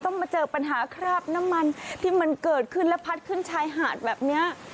มาเจอปัญหาคราบน้ำมันที่มันเกิดขึ้นและพัดขึ้นชายหาดแบบนี้